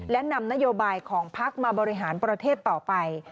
และนำนโยบายของพักมาบริหารประเทศต่อไป